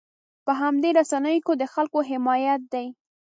په همدې رسنیو کې د خلکو حمایت دی.